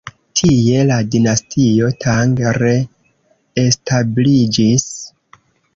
Tie la Dinastio Tang re-establiĝis.